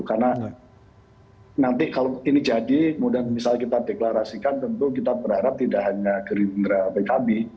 karena nanti kalau ini jadi mudah misalnya kita deklarasikan tentu kita berharap tidak hanya gerindra pkb